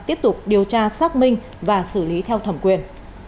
tiếp tục điều tra xác minh và xử lý theo thẩm quyền